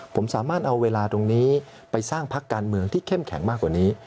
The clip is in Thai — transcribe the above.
ผมสามารถเอาเวลาตรงนี้ไปสร้างพักการเมืองที่เข้มแข็งมากกว่านี้